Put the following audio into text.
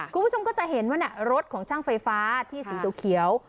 คุณผู้ชมก็จะเห็นว่ารถของช่างไฟฟ้าที่สีเขียว